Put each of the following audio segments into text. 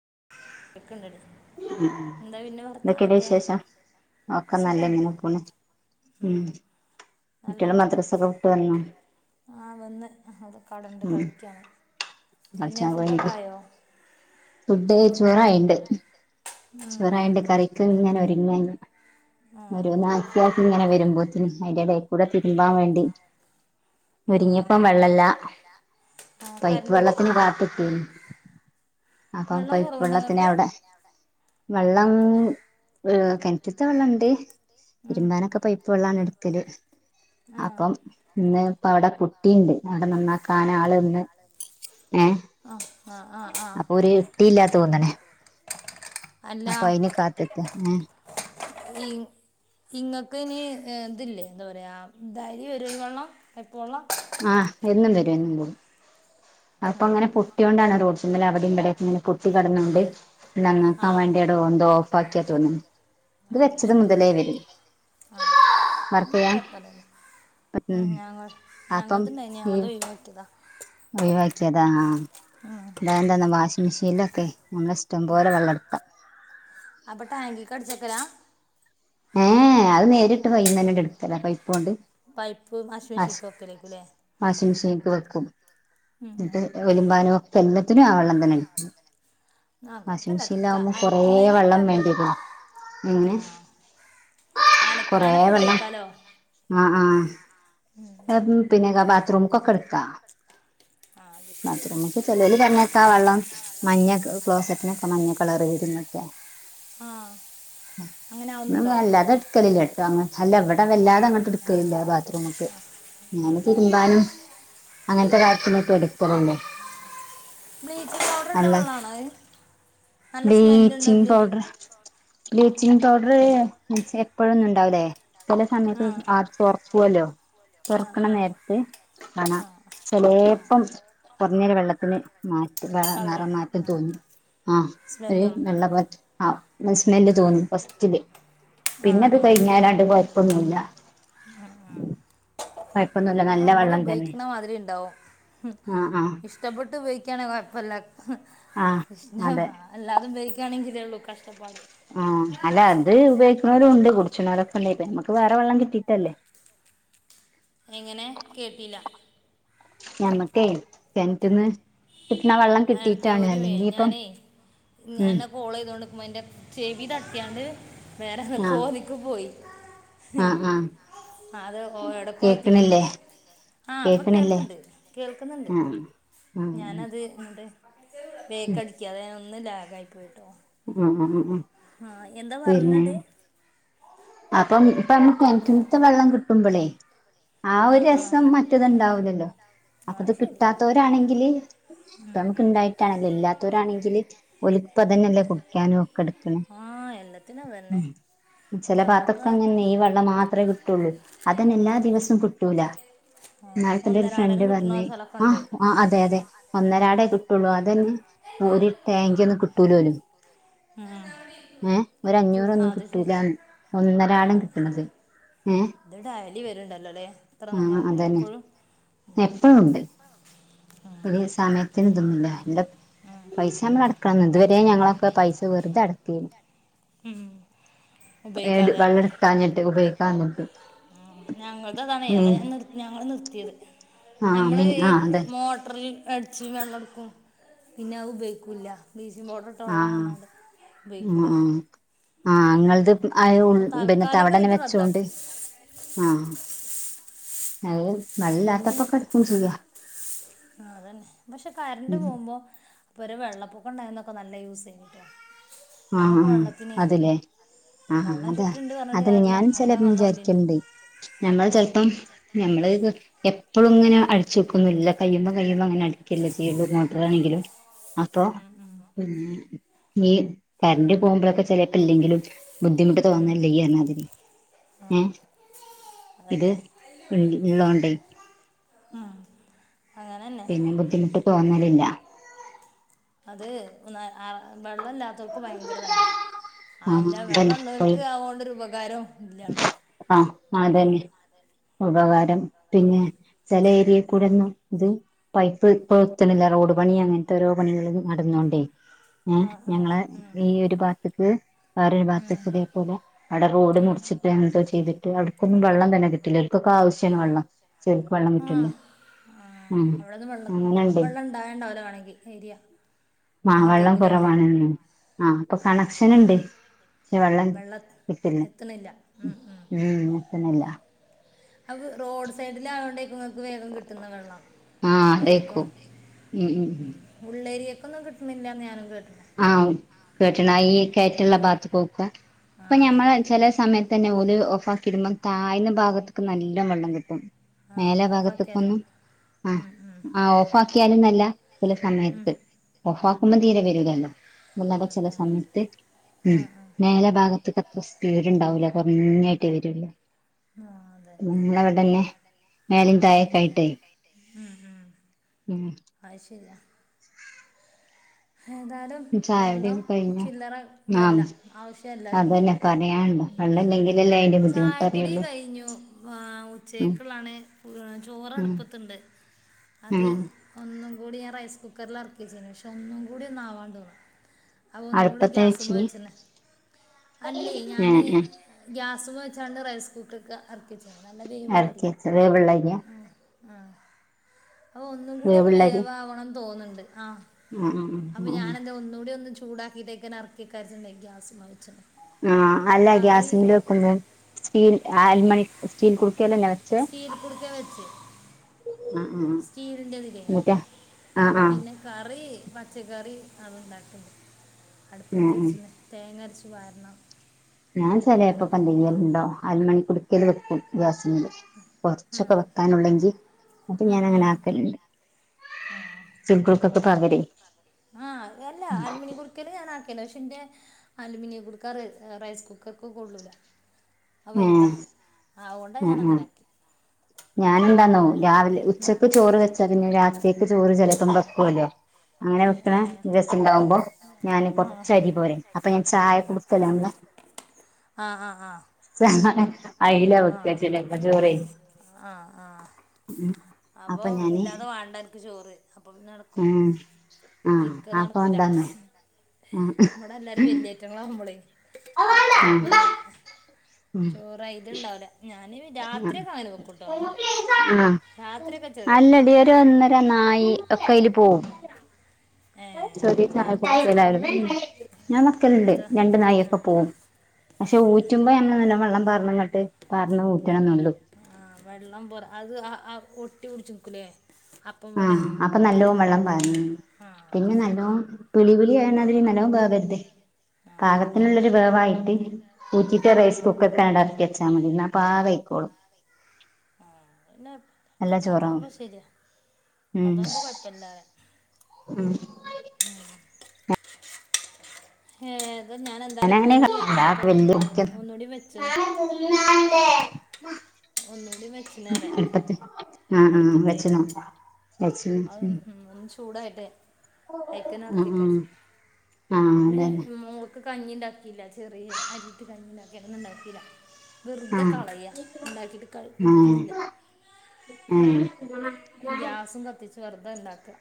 [unintelligible] എന്താ പിന്നെ എന്തൊക്കെയടെ വർത്താനൊക്കെ വിശേഷം സുഖന്നെ ഒക്കനല്ലങ്ങ്പ്പൂണ് ഉം കുട്ടിയാള് മദ്രസൊക്കെവിട്ട് വന്നു ആഹവന്ന് അവരൊക്കെവിടെണ്ട് കളിക്കാണ് പിന്നെ കളിച്ചാൻ പോയിണ്ട് ഫുഡൊക്കായോ? ഫുഡ് ചോറായിണ്ട് ചോറായിണ്ട് കറിക്ക്ഇങ്ങനെ ഒരുങ്ങ ആ ഒരു ആക്കി ആക്കി ഇങ്ങനെവരുമ്പത്തന് അതിന്റെ എടെകൂടെ തിരുമ്പാൻവേണ്ടി ആ ഒരിങ്ങിയപ്പം ആ വെള്ളല്ലപൈപ്പ് കറണ്ടില്ലേ വെള്ളത്തിന്കാത്തിട്ട അപ്പം വെള്ളം കൊയി കുറവുണ്ടോ വെള്ളത്തിനെ നിങ്ങൾക്ക് അവിടെ വെള്ളം കെൻറ്റ്ത്തെ വെള്ളണ്ട് ഉം തിരുമ്പാനൊക്കെ പയിപ്പ് വെള്ളാണെടുക്ക ത്തിൽ ആ അപ്പം ഇന്ന് ഇപ്പവിടെ പു ട്ടിണ്ട് അവിടെ നന്നാക്കൻ ആൾന്ന് ഏഹ ആ ആ ആ ആ അപ്പൊ ഒരു ഇത്തിലാതോന്നനെ. അല്ല ഏ ഇനി ഇങ്ങക്കിനി. തില്ലേ എന്താപറയാ [unintelligible] പപ്പവെള്ളം. ആഹ് എന്നും വരും എന്നും വരും അപ്പ ഉം. അങ്ങനെ പൊട്ട്യോണ്ടാണ് റോട്ടിമല. ഇങ്ങനെ പൊട്ടികെടന്നൊണ്ട് ആ നനാക്കാൻ വേണ്ടിയടെന്തോ ഓഫാക്കിയാതോന്നുന്നു. ഇത് അത് വച്ചത് ശരി മുതലേ വര. ആ ന്നാ കൊഴപ്പലാ ഉ ഉം ഞങ്ങ ഞങ്ങൾ. ങ്ങക്ക് ണ്ടേനി ഞങ്ങത്‌ഒയിവാക്കിയതാ. ഓയ്‌വാക്കിയതാ ആഹ ഇതാന്തന്ന വാഷിംഗ് മെഷീനിലൊക്കെ. നമ്മളെ ഇഷ്ടം പോലെ ആഹ വെള്ളം എടുക്കാം അപ്പം ടാങ്കിക്ക്അടിചെക്കലാ. ഏ അത് നേരിട്ട് പൈപ്പ്നനെ എടുക്കലാ പൈപ്പോണ്ട്. മേശേഷിലൊക്കെ. വാഷിംഗമെഷീനക്ക് വെക്കും. ഉം, ന്നട്ട് ഉം. ഒലുമ്പാനും ഒക്കെ എല്ലാത്തിനും ആ വെള്ളം തന്നെ എടക്കല്. ആഹ കൊഴപ്പില്ലക്ക കൊറേ അലക്കുനേനൊന്നും വെള്ളം കൊഴപ്പല്ല വേണ്ടിവരും എങ്ങനെ ആഹ. കൊറേ വെള്ളം ആഹ ആഹ. അതുപിന്നെ ബാത്രൂമക്കൊക്കെഎടക്ക. ആ അത് ശരിയാ ബാത്റൂമ ഒക്കെ ചേലോൽ പറഞ്ഞേക്കെ വെള്ളം മഞ്ഞ ക്ലോസറ്റനൊ. അപ്പ മഞ്ഞകളർവെരുന്നൊക്കെ. ആ അങ്ങനെ ആവുന്നുണ്ടോ നല്ലത എടുക്കലില്ലട്ടോ അങ്ങനെ. അല്ല ഇവിടെ വല്ലാതെ അങ്ങോട്ട് എടുക്കലില്ല ബാത്റൂമക്കെ ഇങ്ങനെ തിരുമ്പാനും. അങ്ങനത്തെ കാര്യാത്തിനൊക്കെ എടുക്കലുള്ളു. ബ്ലീച്ചിങ് പൗഡർ ഇട്ട വെള്ളാണോത്. ബ്ലിച്ചിംഗ പൗഡർ ബ്ലി.. ച്ചിങ് പൗഡറ് എപ്പോഴൊന്നും ഉണ്ടാവില്ലേ ചെല സമയത്ത് ആ തൊറക്കൊലൂ. ആ തൊർക്കണ ആ നേരത്ത് കാണ ആ ചെലേപ്പം. ഇങ്ങനെ വെള്ളത്തിന് മാറ്റം. കളർ നെറമാറ്റം തോന്നും ആഹ ഒരു സ്മെല്ലും വെള്ളപ്പോലത്തെ. സ്മെല്ല് തോന്നും ഫസ്റ്റില്. ആ പിന്നത് ആ കഴിഞ്ഞാലണ്ട്കൊഴപ്പൊന്നുല്ല. ആ അമ്മള് ഉപയോഗിക്കുന്നമാതിരി ഇണ്ടാവും മ് ആഹ് ആഹ് ഇഷ്ടപ്പെ. ട്ട് ഉപയോഗിക്കാണേൽ കൊഴപ്പല്ല ആഹ് ഇഷ അതെ എല്ലാത ഉപയോഗിക്കാണേലേള്ളു കഷ്ടപ്പാട്. ആഹ അല്ല അത് ഉപയോഗിക്കുന്നോരും ഉണ്ട് കുടിച്ചണോരൊക്കെ ഉണ്ട്‌ നമക്ക് വേറെ വെള്ളം കിട്ടീട്ടല്ലേ. എങ്ങനെ കേട്ടില്ല. ഞമ്മക്കേ കെനറ്റ്ന്ന്. ആടക്കെ ഒരുമിനി ഞാനേ ഉം ഞാനാനെ കോൾ ചെയ്തോണ്ട്. എന്റെ ചെവിതട്ടിയാണ്ട് വേറെ ആഹ് കോലിക്ക് പോയി. ആഹ് ആഹ് അത് എവിടെക്കോ എത്തി പോയി. കേക്കണില്ലേ ആഹ അപ്പൊ കേക്കണില്ലേ കേൾക്കണ്ട് കേൾക്കുന്നുണ്ട് ആഹ് ആഹ് ഞാനത്. ഉം ബേക്കടിക്ക അതാഞാനൊന്ന് ലാഗായിയിക്ക്ണ്ട്ട്ടോ. ഉ ഉ ഉം. ആഹ എന്താ പിന്നെ പറഞ്ഞട്. അപ്പം ഇപ്പ മ്മക്ക് കെണറ്റ്ന്ന് വെള്ളം കിട്ടുമ്പോളേ. ആ ഒരു ആഹ് ആഹ് രസം മറ്റത്ണ്ടാവലല്ലോ. അപ്പൊ അത് കിട്ടാത്തവരാണെങ്കില് ഉം ഇപ്പ നമുക്ക് ഉം ഇണ്ടായിട്ടാണെലോ ഇല്ലാത്തോരാണെങ്കില് ഒൽ. ഇപ്പതന്നെല്ലേ കുടിക്കാനും ഒക്കെ എടുക്കണ്. ആഹ് എല്ലാത്തിനും അതന്നെ ചിലപ്പോ ഞമ്മക്ക് അത്തൊക്കെ അങ്ങനെ ഈ വെള്ളം മാത്രെ കിട്ടുള്ളൂ അതന്നെ എല്ലാ ആഹ് ദിവസവും കിട്ടൂല ആഹ് എന്നാൾ ത്തിന്റെ ഒരു ഒന്നരാടൻ ഫ്രണ്ട് കിട്ടണ പറഞ് ഒരു സ്ഥലൊക്കെ ആ ഉണ്ട് ആ അതെ അതെ ഒന്നരടേ കിട്ടുള്ളു അതന്നെ ഒരു ടാങ്കി ഒന്നും കിട്ടൂലലും ഉം ഏഹ് പു ഒരഞ്ഞൂറൊന്നും അത് ശ കിട്ടൂലാന്ന് ഒന്നരാടം കിട്ട്ണതെ ഇത് ഡയലി വര്ണ്ടല്ലോല്ലേ ഇത്ര ആഹ് അതന്നെ എപ്പൊഴും എപ്പഴുണ്ട് ഒര് സമയത്തിന് ഇതൊന്നുല്ല [unintelligible] പൈസ നമ്മള് അടക്കണം ഇത് വ രേ ഞങ്ങളൊക്കെ പൈസ വെർതെ അടക്കേനി ഉം ഏട് ഉപയോഗിക്കാതെ വള്ളട്ക്കാഞ്ഞിട്ട് ഉപയോഗിക്കാന്ന്ട്ട് ഞങ്ങൾതും അതാണെ അതാ ഞാൻ നിർ ഞങ്ങൾ നിർത്തിയത് ആഹ് നമ്മള് മിനി ഈ ആഹ് അതെ മോട്ടറിൽ അടിച്ച് വെള്ളം ഇട്ക്കും പിന്നെ അത് ഉപയോഗിക്കൂല്ല ബ്ലീച്ചിങ് പൗഡർ ഇട്ട വെള്ളാണ് ആഹ് പർഞ്ഞാട്ട് ഉപയോഗിക്കൂല ആ ഇങ്ങൾത് അപ്പൊ അയോ ഇപ്പൊ പിന്നെത്താ അവിടെന്നെ താൽക്കാലികായിട്ട് വെച്ചോണ്ട് റദ്ദാക്കി ആഹ് അത് വെള്ളല്ലാത്തപ്പൊക്കെ ഇട്ക്കും സുഖാ ആഹ് അതെന്നെ പക്ഷെ കരണ്ട് ഉം പോകുമ്പം പൊരേ വെള്ളപ്പൊക്കം ഇണ്ടായിന്നൊ ക്കെ നല്ല യൂസേനിട്ടോ ആഹ് അത് ലേ ആഹ് വെള്ളം അതാ ചുറ്റുണ്ട് പറഞ്ഞിട്ട് അതെന്നെ കാര്യമില്ല ഞാനും നല്ല ചെലേപ്പം വെള്ളമില്ല ഇനി വിചാരിക്കൽണ്ട് ഞമ്മൾ ചെൽപ്പം ഞമ്മള് ഇതൊ എപ്പളു ഇങ്ങനെ അടിച്ചു വെക്കൊന്നുല്ല കയുമ്പോ കയുമ്പോ അങ്ങനെ അടിക്കല്ലേ ചെയ്യൊള്ളൂ മോട്ടർ ആണെങ്കിലും അപ്പൊ ഉം ഈ കരന്റ് പോകുമ്പോഴൊക്കെ ചെലേപ്പ ഇല്ലെങ്കിലും ബുദ്ധിമുട്ട് തോന്നേല്ലെങ്കിൽ പർഞ്ഞാതിരി ഏഹ് ഇത് അതന്നെ ഇള്ളോണ്ടെ ആഹ് പിന്നെ ബുദ്ധിമുട്ട് തോന്നലില്ല അത് ഒന്ന് ആ വെള്ളല്ലാ വർക്ക് ഭയങ്കര തന്നെ ആഹ് അല്ലാ വെള്ളം അതന്നെ ഉള്ളവർക്ക് ആതോണ്ടൊരു ഉപകാരം ഇല്ലാണോ ആഹ് അതന്നെ ഉപകാരം പിന്നെ ചില ഏരിയെ കൂടെ ഇന്നും ഇത് പൈപ്പ് ഇപ്പത്തണില്ല റോഡ് പണി അങ്ങനത്തെ ഓരോ പണികളും നടന്നോണ്ടേ ഏഹ് ആ ആ ഞങ്ങളെ ഉം, ഈ ഒരു ഭാഗത്തക്ക് വേറൊരു ഉം, ഭാത്തക്ക് ഇതേപോലെ അവിടെ റോഡ് ഉം. മുറി ചെയ്തിട്ട് അവടക്കൊന്നും വെള്ളം തന്നെ കിട്ടില്ല ഇവർക്കൊക്കെ ആവശ്യണ് വെള്ളം ശരിക്ക് വെള്ളം ആ കിട്ടിണില്ല ആ. ഉം അങ്ങനെ ഇണ്ട് ഉം ഏരിയ ആ വെള്ളം അങ്ങത്തേക്കൂലേ കുറവാണ് ആഹ് അപ്പൊ ആ കണക്ഷൻ ഉണ്ട് വെള്ളം കിട്ടില്ല എത്തണില്ല ഉം ഉം കിട്ടിണില്ല അത് റോഡ് സൈഡിൽ ആയതോണ്ടേക്കും വേഗം കിട്ടുന്ന വെള്ളം ആഹ് അതായിരിക്കോ അതേക്കും ഉം ഉം ഉളേരി ഒന്നും കിട്ടിണില്ല ഞാനും കേട്ടു ആന്ന് കേട്ടളായി കയറ്റുള്ള ഭാത്തുക്കെക്കെ ഇപ്പൊ ആ ഞമ്മള് ചില സമയത്ത് തന്നെ ഓല് ഒ കിടുമ്പം താഴ്ന്ന ഭാഗത്തേക്ക് നല്ല വെള്ളം കിട്ടും ആ മേലെ ഭാഗ്ത്ത്ക്ക് ഓഫാക്കിയാലോ ഒന്നും ആഹ് ഉം ഉം ആ ഉം ഓഫ് ആക്കിയാല് എന്നല്ല ചില ഉം സമയത്ത് ഓഫ് ആ ആ ആക്കുമ്പോം ആ തീരെ വരില്ലല്ലോ [unintelligible] ചില ആ സമയത്ത് ആ ഉം ആ മേലെ ഭാഗത്ത് ഇക്ക അത്ര സ്പീട് ഇണ്ടാവൂല കുറഞ്ഞായിട്ട് വരോള്ളു ആ അതന്നെ നമ്മളവിടല്ലേ മേലും തായൊക്കായിട്ടേ ഉം ഉം അത് ശരിയാ ഏതായാലും ചായുടി വെള്ളം ഒക്കെ കഴിഞ്ഞോ ചില്ലറ ഇതല്ല ആഹ് ആവശ്യം എല്ലാവർക്കും അതന്നെ പറയാനുണ്ടോ വെള്ളല്ലെങ്കിലല്ലേ അതിന്റെ ബുദ്ധിമുട്ട് ചായകുടി അറിയുള്ളൂ കഴിഞ്ഞു ഉം ഉച്ചക്കുള്ളാണ് ചോറ് ഉം അടുപ്പത്തുണ്ട് അത് ഉം ഒന്നും കൂടി ഞാൻ റൈസ് കുക്കർല് എറക്കി വെച്ച്ക്ക്ണ് പക്ഷേ ഒന്നും കൂടി ഒന്നാവാണ്ടോന്നും അത് ഒന്നും കൂടെ അടുപ്പത്ത് ഗ്യാസ്പ വെച്ചിനി [unintelligible] അല്ലേ ഞാന് ഏഹ് ഏഹ് [unintelligible] [unintelligible] വെച്ചാണ്ട് റൈസ് കുക്കർക്കെ ഇറക്കി ചെയ്യ നല്ല എറക്കി വേവുള്ളരിയാ വെച്ചത് വേവുള്ളരിയാ ആ അപ്പൊ ഒന്നും കൂടി ഒന്ന് വേവുള്ളരി വേവാകണംന്ന് തോന്നുന്നുണ്ട് ആ ഉം ഉം അപ്പൊ ഉം ഉം ഞാനെന്താ ഒന്നുകൂടി ഒന്ന് ചൂടാക്കിട്ടേക്കാ [unintelligible] ആ അല്ല ഗ്യാസിമിൽ വെക്ക്പം സ്റ്റീൽ ആൽമണി സ്റ്റീൽ [unintelligible] വെച്ചേ സ്റ്റീൽ കുടുക്കായ വെച്ച് ആഹ് ആഹ് സ്റ്റീലിന്റെതില്ലേ എന്നിട്ടാ ആഹ് ആഹ് പിന്നെ കറി പച്ചക്കറി അത് ഇണ്ടാക്കണ്ട് ഉം അടുപ്പത്തെ ഉം വച്ചിന്നെ തേങ്ങരച്ച് വാരണം ഞാൻ ചിലപ്പൊ ഇതൊക്കെ [unintelligible] അല് മണിക്കുടിക്കല് വെക്കും കൊറച്ചൊക്കെ ഉം. വെക്കാനുള്ളെങ്കിൽ അപ്പൊ ഉം, ഞാൻ അങ്ങനെ ഉം. ആക്കലുണ്ട് [unintelligible] ആഹ് അതല്ല ഏഹ് അലുമണിക്കുറിക്കല് ഞാൻ കലോഷിന്റെ അലൂമിനിയം കൊടുക്കാറ് റൈസ് കുക്കർക്ക് കൊള്ളൂല ആ വരുതാ ആഹ് അതുകൊണ്ടാ ഞാൻ അങ്ങനെ ആക്കി അപ്പോൾ ഞാനന്താന്നോ രാവിലെ ഉച്ചക്ക് ചോറ് വെച്ചാ പിന്നെ രാത്രിേക്ക് ചോറ് [unintelligible] അങ്ങനെ വെക്കണ ആ രസം ഉണ്ടാവുമ്പോ ഞാന് ആ കൊറച്ച അരി പോരെ അപ്പൊ ഞാൻ ചായ കൊടുത്തല്ലേല്ല ആഹ് ആഹ് ആഹ് അയില വക്കച്ചില്ലേ [unintelligible] ആഹ് ആഹ് അപ്പൊ ഇല്ലാതെ വേണ്ട എനിക്ക് ചോറ് അപ്പൊ പിന്നെ നടക്കും ഉം [unintelligible] അപ്പൊ ഉണ്ടന്നോ നമ്മടെ എല്ലാരും വല്യറ്റങ്ങളാവുമ്പോളി അപ്പൊ പിന്നെ ചോറായിത് ഇണ്ടാവുല ഞാന് രാത്രിയൊക്കെ അങ്ങനെ വെക്കൂട്ടോ ആ അ രാത്രിയൊക്കെ ചെറിയത് വെക്കും അല്ലടി ഒരുഒന്നര [unintelligible] [unintelligible] ഒക്കെ അയിൽ പോവും ഏ ചെറിയ ഞാൻ അത്ര ചായ ച- [unintelligible] ഞാൻ മക്കലുണ്ട് അങ്ങനത്തെ രണ്ടു നായി ആ ഒക്കെ പോകവും ഏ പക്ഷെ ഊറ്റുമ്പോ [unintelligible] നല്ല വെള്ളം പറഞ്ഞങ്ങട്ട് പറഞ്ഞ ഊറ്റണം എന്നള്ളു ആഹ വെള്ളം പോരാ അത് [unintelligible] ഒട്ടി കുടിച്ചു ആഹ് അപ്പൊ നല്ലോ വെള്ളം ആ [unintelligible] അത് പിന്നെ ശരി നല്ലോ പിളിപളിയ [unintelligible] വേവരുത് ആ ആ പാകത്തിനുള്ളരു വേവായിട്ട് ഊറ്റിട്ട് ആ റൈസ് കുക്കർക്ക് അങ്ങട് ഇറക്കി വച്ചാൽ മതി എന്നാൽ പാകഴക്കോളും നല്ല [unintelligible] ചോറാവും അതാംപശരിയാ ഉം അതാംപൊ കൊഴപ്പില്ല [unintelligible] അതെ ഞാൻ എന്താണ് ഇപ്പ ഞാനങ്ങനെ ഒന്നൂടി അടുപ്പ വല്യ ആ കുക്കർ ഒന്നൂടി വെച്ചത [unintelligible] എളുപ്പത്തി ആഹ് ആഹ് അടുപ്പത്തെ വെച്ചനോ [unintelligible] ചൂടായിട്ടെ ആ ആ ഉം ആഹ് ഇന്ന് അതന്നെ മോൾക്ക് കഞ്ഞി ഉണ്ടാക്കിയില്ല ചെറിയ അരിട്ട് കഞ്ഞി ഉണ്ടാക്കിന്നും ഉണ്ടാക്കില്ല വെറുതെ കളയ ആ ഉം വെർദെ ഉണ്ടാക്കുക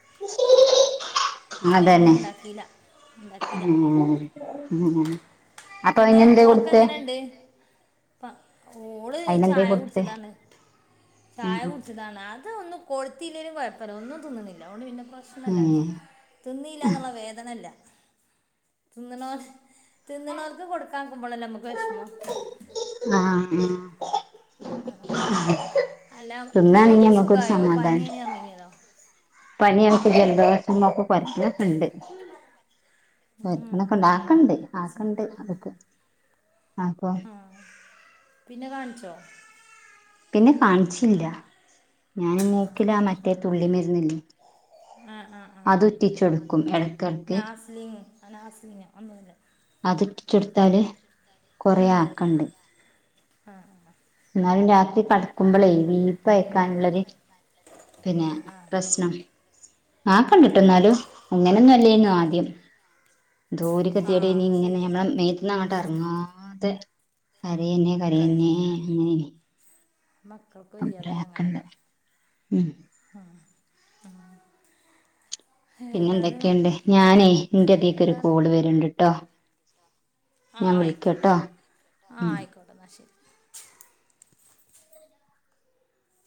അപ്പം അന്ന് അതന്നെ ഉണ്ടാക്കിയില്ല ഉണ്ടാക്കിയില്ല [unintelligible] അപ്പൊ പിന്നെ അയിനെന്തേ മോളൾക്കെ കൊടുത്തെ എങ്ങനെണ്ട് ഓള് അയിനെന്തേ ചായ കൊടുത്തെ കുടിച്ചതാണ് ഉം ചായ കുടിച്ചതാണ് അതൊന്നും കൊടുത്തില്ലേലും കുഴപ്പമില്ല ഒന്നും തിന്ന്ണില്ലഅയോണ്ട് പിന്നെ പ്രശ്നല്ല ഉം തിന്നീല്ലാന്ന്ള്ളവേദനല്ല തിന്ന്ണോല് തിന്നുണോർക്ക് കൊടുക്കാൻ കുമ്പളല്ലേ നമ്മുക്ക് വെഷ്മം ആഹ ഉം [unintelligible] ആ അല്ല തിന്നാണെങ്കി മോൾക്ക് നമുക്കൊരു സുഖായോ പനിയിന് പർനീനയിന്നോ പനിയായിറ്റ് ജലദിവസ എന്നൊക്കെ പരച്ചൊക്ക ഉണ്ട് ഉം. പ്പണൊക്കെണ്ട ആക്കണ്ട് ആക്കണ്ട് അതൊക്കെ അപ്പൊ ആഹ പിന്നെ കാണിച്ചോ പിന്നെ കാൺച്ചില്ല ഞാനും മൂക്കില്ല മറ്റേ തുള്ളി മരുന്നില്ലേ അതൊറ്റിചൊടുക്കും എടക് നാസലിങ് അനാസ്ലിംഗ് അയൊന്നല്ല അതൊറ്റിചൊട്ത്താല് ഉം ഹാ എന്നാലും രാത്രി കടക്കുമ്പളയ് വി ഇപ്പയ്ക്കാനുള്ളൊരു പിന്നെ ആ ആ പ്രശ്നം ആകണ്ട്ട്ടാന്നാലു അങ്ങനൊന്നും അല്ലേയ്ന്നു ആദ്യം എന്തോരു ആ ഗതിയേഡ് അത് എരുന്ന്ഇങനെ ശരിയാ ഞമ്മളെ മേ‌ത്ന്ന് അങ്ങോട് അറങ്ങാതെ കരയന്നെ ഒക്കെ കരയന്നെ അങ്ങനെനി മക്കൾക്ക് വയ്യതായ അങ്ങനന്നെ ഉം ഏതായാലും പിന്നെന്തൊക്കെണ്ട് സുഖം ഞാനേ എന്റെ തീക് ഒരു വേറെ കോള് വരീണ്ടീട്ടോ ആ ആയിക്കോട്ടെ ആ ഉം ആയിക്കോട്ടെ ഇന്നാ ശെരി